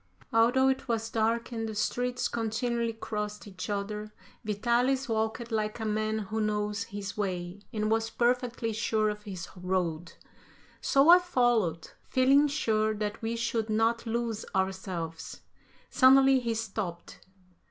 Although it was dark and the streets continually crossed each other, Vitalis walked like a man who knows his way, and was perfectly sure of his road. So I followed, feeling sure that we should not lose ourselves. Suddenly, he stopped.